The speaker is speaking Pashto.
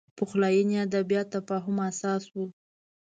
پخلاینې ادبیات تفاهم اساس و